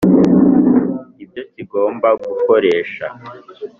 ibyo kigomba gukoresha